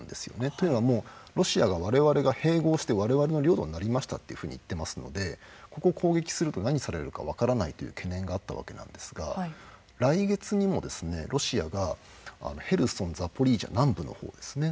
というのはもうロシアが我々が併合して我々の領土になりましたっていうふうに言ってますのでここ攻撃すると何をされるか分からないという懸念があったわけなんですが来月にもロシアがヘルソンザポリージャ南部の方ですね。